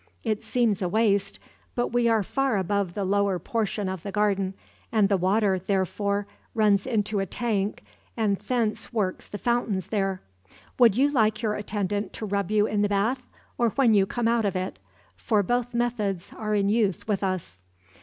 It seems a waste, but we are far above the lower portion of the garden, and the water therefore runs into a tank and thence works the fountains there. Would you like your attendant to rub you in the bath, or when you come out of it? For both methods are in use with us."